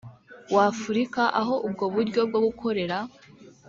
w afurika aho ubwo buryo bwo gukorera